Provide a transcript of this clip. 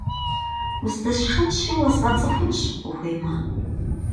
Уздэсшэнщи, уэзгъэцӀыхунщ, ухуеймэ.